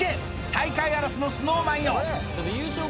大会荒らしのＳｎｏｗＭａｎよ！